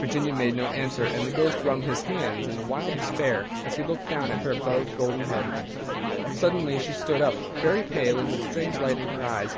Virginia made no answer, and the ghost wrung his hands in wild despair as he looked down at her bowed golden head. Suddenly she stood up, very pale, and with a strange light in her eyes.